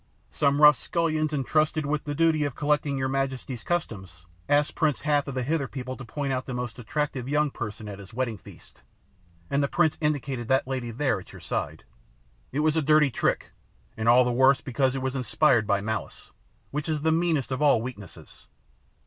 Some rough scullions intrusted with the duty of collecting your majesty's customs asked Prince Hath of the Hither people to point out the most attractive young person at his wedding feast, and the prince indicated that lady there at your side. It was a dirty trick, and all the worse because it was inspired by malice, which is the meanest of all weaknesses.